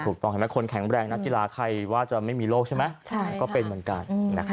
ถูกต้องเห็นไหมคนแข็งแรงนักกีฬาใครว่าจะไม่มีโรคใช่ไหมก็เป็นเหมือนกัน